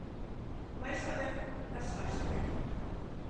Мый шонем: «Пашашке